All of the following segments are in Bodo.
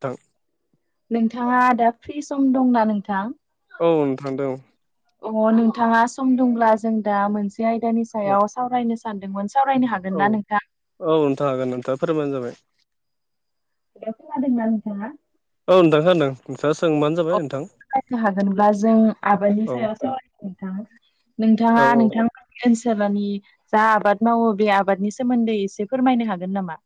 थां नोंथाङा दा फ्रि सम दंना नोंथां औ नोंथां दं अ नोंथाङा सम दंब्ला जों दा मोनसे आयदानि औ सायाव सावरायनो सानदोंमोन सावरायनो हा औ औ नोंथां हागोन नोंथाङा फोरमायबानो जाबाय थिगानो खोनादों ना नोंथाङा औ नोंथां खोनादों दा सोंबानो जाबाय नोंथां [unintelligible] हागोनब्ला जों आबादनि औ सायाव सावरायनो नोंथां औ नोंथाङा औ नोंथां ओनसोलनि जा आबाद मावो बे आबादनि सोमोन्दै एसे फोरमायनो हागोन नामा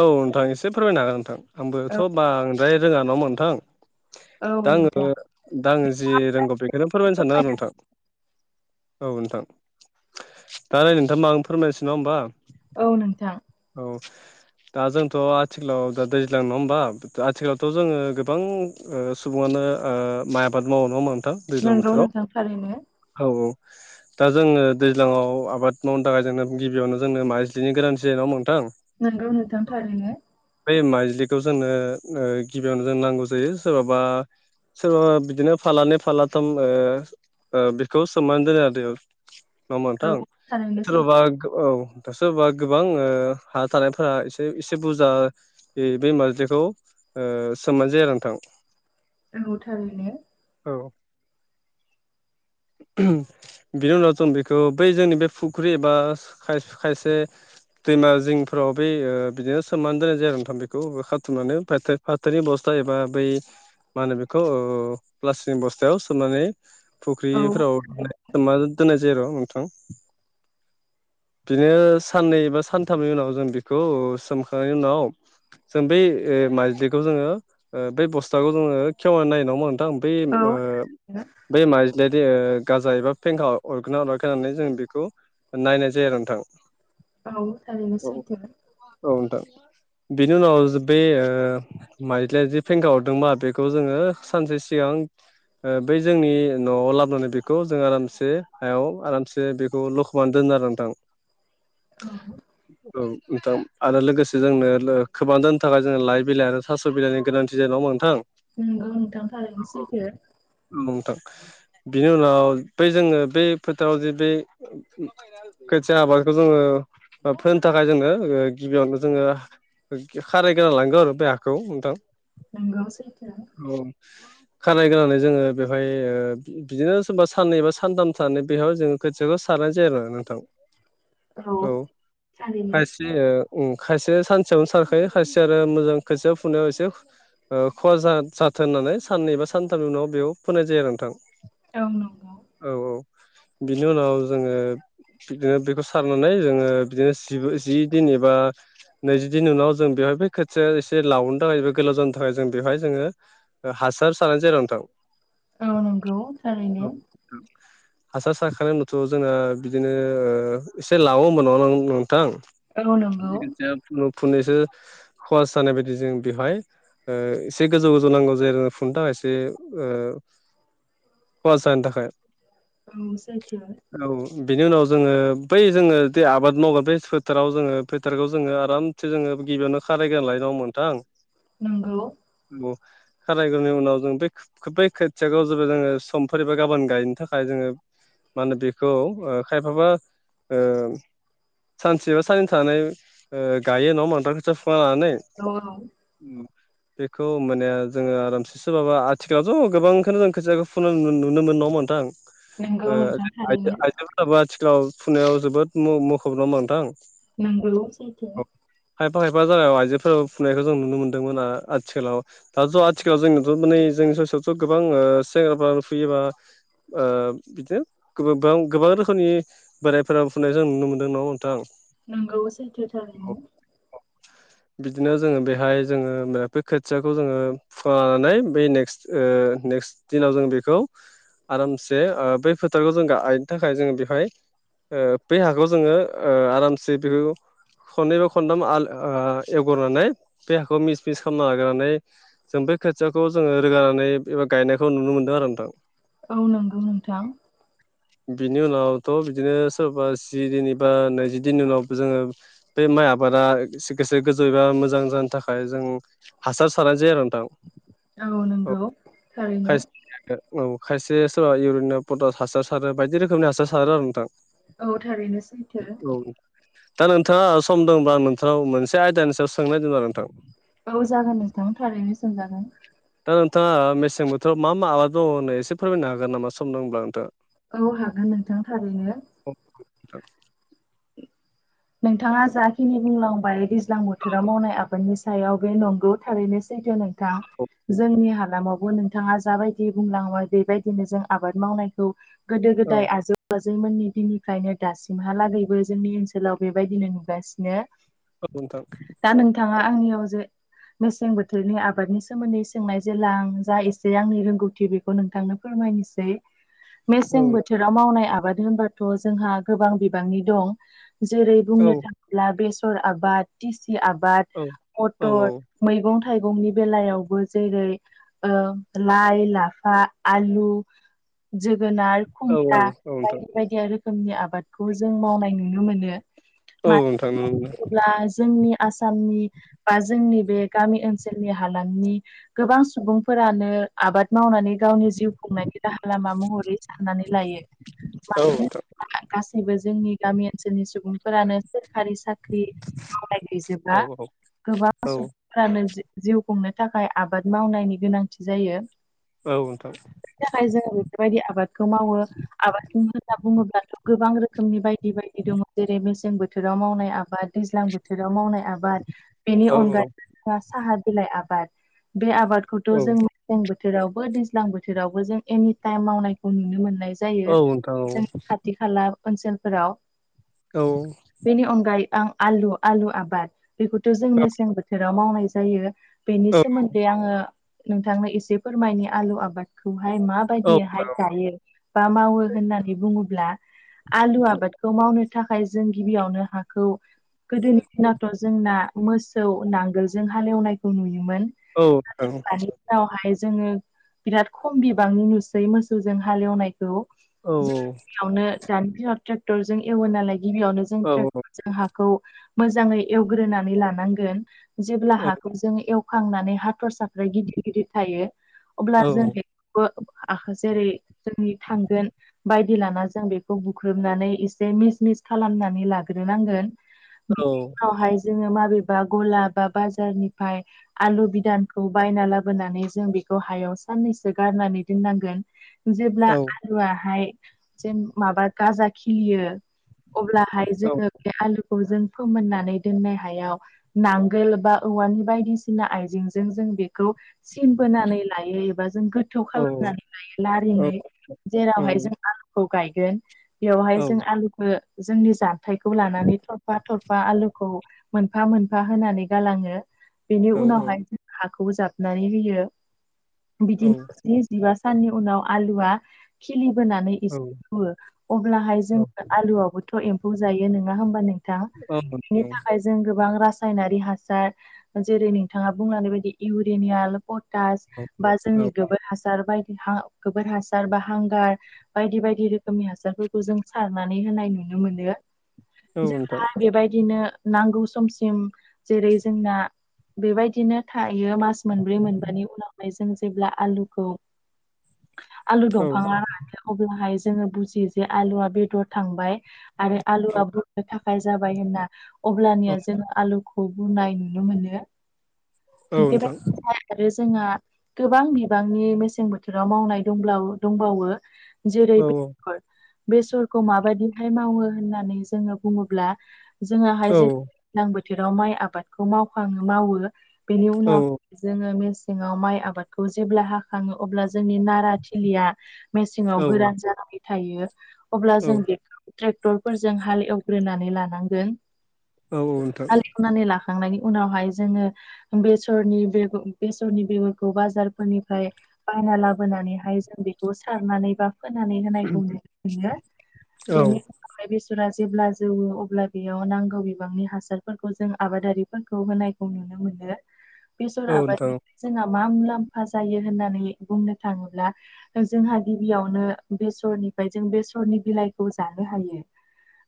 औ नोंथां एसे फोरमायनो हागोन नोंथां औ आंबोथ' बांद्राय रोङा नङा होनबा नोंथां औ दा आङो नोंथां। दा आङो जि रोंगौ बेखौनो फोरमायनो सानदों आरो नोंथां औ नोंथां दा ओ नोंथां आं फोरमायनोसै नङा होनबा औ नोंथां औ दा जोंथ' आथिखालाव दा दैज्लां नङा होमबा आथिखालावथ' जोङो गोबां सुबुङानो माइ आबाद मावो नङा होनबा नोंथां दैज्लां नोंगौ बोथोराव नोंथां थारैनो औ औ दा जोङो दैज्लाङाव आबाद मावनो थाखाय जोंङो गिबियावनो जोंनो माइजिलिनि गोनांथि जायो नङा होनबा नोंथां नोंगौ नोंथां थारैनो बे माइज्लिखौ जोंनो गिबियावनो जों नांगौ जायो सोरबाबा सोरबाबा बिदिनो फालानै फालाथाम ओ ओ बेखौ सोमनानै दोनो आरो नडा होनबा औ नोंथां थारैनो सैथो सोरबा औ दा सोरबा गोबां हा थानायफोरा एसे ए एसे बुरजा बे नारजिखौ सोमनाय जाया आरो नोंथां नंगौ थारैनो औ [inaudible] बिनि उनाव जों बेखौ बै जोंनि बे फुख्रि एबा खायसे दैमा जिंफोराव बे बिदिनो सोमनानै दोननाय जायो आरो नोंथां बेखौ खाथुमनानै फाथो फाथोनि अबस्था एबा बै मा होनो बेखौ प्लास्टिक बस्थायाव सोमनानै औ फुख्रिफोराव दोननाय सोमना दोननाय जायो आरो नोंथां बिनो साननै बा सानथामनि उनाव जों बेखौ सोमखांनायनि उनाव जों बै माइज्लिखौ जोङो बै बस्थाखौ जोङो खेवना नायो नडा होनबा नोंथां बै औ ओ थारैनो बै माइज्लिया गाजा एबा फेंखा अरगोन ना अराखै होननानै जों बेखौ नायनाय जायो आरो नोंथां औ थारैनो सैथो औ नोंथां बेनि उनाव बे माइज्लिया जि फेंखा हरदोंबा बेखौ जोङो सानसे सिगां बै जोंनि न'आव लाबोनानै बेखौ जों आरामसे हायाव आरामसे बेखौ लखबनानै दोनो आरो नोंथां औ नोंथा आरो लोगोसे जोंनो खोबना जानो थाखाय जों लाइ बिलाइ आरो थास' बिलाइनि गोनांथि जायो ना नोंथां नोंगौ नोंथां थारैनो सैथो नोंथां बिनि उनाव बै जोङो बे फोथाराव जे बे खोथिया आबादखौ जोङो फोनो थाखाय जोङो गिबियावनो जोङो खारायगोना लानांगौ आरो बे हाखौ नोंथां नंगौ सैथो औ खारायग्रोनानै जोङो बेवहाय ओ बिदिनो सोरबा साननै बा सानथाम थानानै बेहाय जों खोथियाखौ सारनाय आरोना नोंथां। [inaudible] औ थारैनो खायसे ओ उम खायसेया सानसेयावनो सारखायो खायसेया आरो मोजां खायसेयाव फुनायाव एसे ओ खहा जा जाथों होननानै साननै एबा सानथामनि उनाव बेयाव फोनाय जायो आरो नोंथां। औ नंगौ औ औ बिनि उनाव जोङो बिदिनो बेखौ सारनानै जोङो बिदिनो जिबो जि दिन बा नैजिदिननि उनाव जों बेवहाय बे खोथिया एसे लावनो थाखाय बा गोलाव जानो थाखाय जों बेवहाय जोङो ओ हासार सारनाय जायो आरो नोंथां। औ नंगौ थारैनो औ हासार सारखानाय उनावथ' जोङो बिदिनो ओ एसे लावो ओमबा नङा नोंथां औ नों [unintelligible] फुनु फुनैसो खहास जानाय बायदि जों बेवहाय ओ एसे गोजौ गोजौ नांगौ जेरै फुनो थाखायबो एसे ओ खहास जानो थाखाय औ सैथो औ बेनि उनाव जोङो बै जोङो जे आबाद मावगोन बे फोथाराव जोङो फोथारखौ जोङो आरामसे जोङो गिबियावनो खारायग्रोना लायो नङा ओमबा नोंथां? नंगौ औ खारायग्रोनायनि उनाव जों बे बै खोथिखौ जोबो जोङो समफोर एबा गाबोन गायनो थाखाय जोङो मा होनो बेखौ ओ खायफाबा ओ सानसे बा साननै थानानै ओ गायो नङा ओमबा नोंथां खोथिया फुखाना लानानै औ [inaudible] बेखौ ओमबानिया जोङो आरामसे सोबाबा आथिखालावथ' गोबांखोनो जों खोथियाखो फुनाय नुनो मोनो नङा ओनबा नोंथां? नंगौ ओ नोंथां थारैनो आइजो आइजोफोराबो आथिखालाव फुनायाव जोबोद मु मुखुब नडा ओनबा नोंथां? नंगौ सै खायफा खायफा जागायाव आइजोफोराबो फुनायखौ जों नुनो मोनदोंमोन आथिखालाव दाथ' आथिखालाव जोंथ' माने जोंनि सयावथ' गोबां सेंग्राफ्रा फुयो बा ओ बिदिनो गोबां गोबां रोखोमनि बोरायफोरा फुनाय जों नुनो मोन्दों नङा ओमबा नोंथां। नंगौ सैथो औ थारैनो [inaudible] बिदिनो जोङो बेहाय जोङो बेफोर खोथियाखौ जोङो फुखाना लानानै बे नेक्स्ट ओ नेक्स्ट दिनाव जों बेखौ आरामसे ओ बै फोथारखौ जों गायनो थाखाय जों बेहाय ओ बे हाखौ जोङो ओ आरामसे बेखौ खननै बा खनथाम आल ओ एवग्रोनानै बे हाखौ मिक्स मिक्स खामना लाग्रोनानै जों बे खोथियाखौ जोङो रोगानानै एबा गायनायखौ नुनो मोनदों आरो नोंथां। औ नंगौ नोंथां बिनि उनावथ' बिदिनो सोरबा जि दिन एबा नैजि दिननि उनाव जोङो बे माइ आबादा एसे गोसो गोजौ एबा मोजां जानो थाखाय जों हासार सारनाय जायो आरो नोंथां औ नंगौ थारैनो। खायसे औ खायसे सोरबा इउरिनिया पटास हासार सारो बायदि रोखोमनि हासार सारो आरो नोंथां। औ थारैनो सैथो औ दा नोंथाङा सम दंबा नोंथांनाव मोनसे आयदानि सायाव सोंनाय दं आरो नोंथां औ जागोन नोंथां थारैनो सोंजागोन दा नोंथाङा मेसें बोथोराव मा मा आबाद मावो आंनो एसे फोरमायनो हागोन नामा सम दं होनब्ला नोंथाङा औ हागोन नोंथां थारैनो नोंथाङा जाखिनि बुंलांबाय दैज्लां बोथोराव मावनाय आबादनि सायाव बे नंगौ थारैनो सैथो नों औ जोंनि हालामावबो नों बिथाङा जाबायदि बुंलांबाय बेबायदिनो जों आबाद मावनायखौ गोदो गोदाय आजै आजैमोननि दिननिफ्रायनो दासिमहालागैबो जोंनि ओनसोलाव बेबायदिनो नुगासिनो औ नोंथां दा नोंथाङा आंनियाव जे मेसें बोथोरनि आबादनि सोमोन्दै सोंनाय जेला आं जा एसे आंनि रोंगौथि बे खौ नोंथांनो फोरमायनोसै औ मेसें बोथोराव मावनाय आबाद होनबाथ' जोंहा गोबां बिबांनि दं जेरै औ बुंनो नोंथां थाङोब्ला बेसर आबाद टिसि आबाद औ मटर मैगं थाइगंनि बेलायावबो जेरै आ लाइ लाफा आलु जोगोनार औ खुमब्रा औ नोंथां बायदि बायदि रोखोमनि आबादखौ जों मावनाय नुनो मोनो औ मानो नोंथां होनना नुनो मोनदों बुङोब्ला जोंनि आसामनि बा जोंनि बे गामि ओनसोलनि हालामनि गोबां सुबुंफोरानो आबाद मावनानै गावनि जिउ खुंनायनि राहा लामा महरै साननानै लायो [inaudible] औ नोंथां होनोब्ला गासैबो जोंनि गामि ओनसोलनि सुबुं सुबुंफोरानो सोरखारि साख्रि मावनाय गैजोबा औ गोबां सुबुं फोरानो जिउ खुंनो थाखाय आबाद मावनायनि गोनांथि जायो औ नोंथां बेबायदि आबादखौ मावो आबादखौनो होनना बुङोब्लाथ' गोबां रोखोमनि बायदि बायदि दङ जेरै मेसें बोथोराव मावनाय आबाद दैज्लां बोथोराव मावनाय आबाद बेनि औ नोंथां औ अनगायै साहा बिलाइ आबाद बे आबादखौथ' नोंथां जों मेसें बोथोरावबो दैज्लां बोथोरावबो जों एनि टाइम मावनायखौ नुनो मोननाय जायो जों खाथि खाला ओनसोलफोराव औ बेनि अनगायै आं आलु आलु आबाद बेखौथ' जों मेसें बोथोराव मावनाय जायो बेनि सोमोन्दै आङो नोंथांनो एसे फोरमायनि आलु आबाद खौहाय माबायदियैहाय गायो बा मावो होननानै बुङोब्ला आलु आबादखौ मावनो थाखाय जों गिबियावनो हाखौ गोदोनि दिनथ' जोंना मोसौ नांगोलजों हालेवनायखौ नुयोमोन औ नोंथां नंगौ [unintelligible] दावहाय जोङो बिराद खम बिबांनि नुसै मोसौजों हालेवनायखौ औ औ आवनो दानि दिनाव ट्रेक्टरजों एवो नालाय गिबियावनो जों औ ट्रेक जों हाखौ मोजाङै एवग्रोनानै लानांगोन जेब्ला औ हाखौ जों एव खांनानै हाथरसाफ्रा गिदिर गिदिर थायो औ अब्ला जों बे बो जेरै जोंनि थांगोन बायदि लाना जों बेखौ बुख्रुबनानै बे मिस मिस खालामनानै औ लाग्रोनांगोननि उनावहाय जोङो माबेबा गला बा बाजारनिफ्राय आलु बिदानखौ बायना लाबोनानै जों बेखौ हायाव साननैसो गारनानै दोननांगोन औ जेब्ला आलुआहाय जेन माबा गाजा खिलियो अब्लाहाय औ जोङो बे आलुखौ जों फोमोननानै दोननाय हायाव नांगोल बा औवानि बायदिसिना आइजेंजों जों बेखौ सिन बोनानै लायो एबा जों थौ औ खालामनानै लायो औ लारिङै जेरावहाय जों औ आलुखौ गायगोन औ बेवहाय जों आलुखौ जोंनि जानथायखौ लानानै थरफा थरफा आलुखौ मोनफा मोनफा होनानै गालाङो बेनि औ उनावहाय हाखौबो जाबनानै होयो बिदिनो जिबा साननि उनाव आलुआ खिलिबोनानै एसे जौवो अब्लाहाय जों आलुआवबोथ' एम्फौ जायो नोङा होमबा नोंथां औ बेनि थाखाय जों गोबां रासायनारि हासार जेरै नोंथाङा बुंलांनाय बायदि इउरिनियाल पटास बा जोंनि गोबोर हासार बायदि हा गोबोर हासार बा हांगार बायदि बायदि रोखोमनि हासारफोरखौ जों सारनानै होनाय नुनो मोनो नोंथां जेब्ला बेबायदिनो नांगौ समसिम जेरै जोंना बेबायदिनो थायो मास मोनब्रै मोनबानि उनावहाय जों जेब्ला आलुखौ आलु दंफाङा रानो अब्लाहाय जोङो बुजियो आलुआ बे थांबाय आरो आलुआ बुरनो थाखाय जाबाय होनना अब्लानिया जोंङो आलु खौ बुरनाय नुनो मोनो बेबायदिनो आरो जोंहा गोबां बिबांनि मेसें बोथोराव मावनाय दंब्ला दंबावो जेरै औ औ औ नोंथां बेसर बेसरखौ माबायदिहाय मावो होननानै जोंङो बुंङोब्ला जोङाहाय जेन दैज्लां बोथोराव माइ आबादखौ मावखाङो मावो बेनि औ नोंथां औ उनाव जोङो मेसेङाव माइ आबादखौ जेब्ला हाखाङो अब्ला जोंनि नारा थिलिया मेसेङाव गोरान जानानै थायो अब्ला जों बेखौ ट्रेक्टरफोरजों हाल एवग्रोनानै लानांगोन औ नोंथां हालेव नानै लाखांनायनि उनावहाय जोङो बेसरनि बेग बेसरनि बेगरखौ बाजारफोरनिफ्राय बायना लाबोनानैहाय जों बेखौ सारनानै बा फोनानै होनायखौ नुनो मोनो औ बेनि हाय बेसरा जेब्ला जौवो अब्ला बेयाव नांगौ बिबांनि हासारफोरखौ जों आबादारिफोरखौ होनाय खौ नुनो मोनो बेसर औ नोंथां आबादनि जोंहा मा मुलाम्फा जायो होननानै बुंनो थाङोब्ला जोंहा गिबियावनो बेसरनिफ्राय जों बेसर नि बिलाइखौ जानो हायो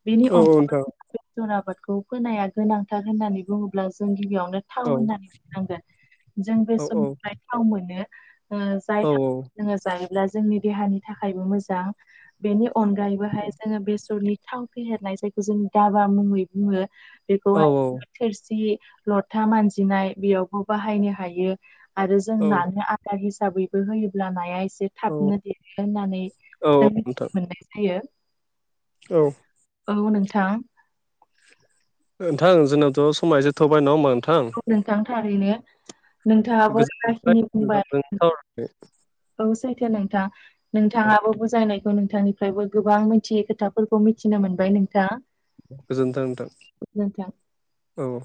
बेनि औ औ नोंथां औ अनगा बेसर आबादखौ फोनाया गोनांथार होननानै बुङोब्ला जों गिबियावनो थाव होननानै बुंनांगोन जों औ बे समनिफ्राय थाव मोनो औ जाय थाव जोङो जायोब्ला जोंनि देहानि थाखायबो मोजां बेनि अनगायैबोहाय जोङो बेसरनि थाव फेहेरनाय जायखौ जों दाबा मुंङै बुंङो बेखौहाय औ थोरसि लथा मानजिनाय बेयावबो बाहायनो हायो आरो जों नानो आदार हिसाबैबो होयोब्ला नाया एसे औ थाबनो औ देरगोन होननानै नोंथां जों मिथिनो मोनो होयो औ औ नोंथां नोंथां जोंनावथ' समा एसे थौबाय नङा होनबा नोंथां औ नोंथां थारैनो नोंथांङाबो गोजोननाय जाखिनि बुंबाय औ सैथो नोंथां नोंथाङाबो बुजायनायखौ नोंथांनि फ्रायबो गोबां मिथियै खोथाफोरखौ मिथिनो मोनबाय नोंथां गोजोन्थों नोंथां गोजोनथों औ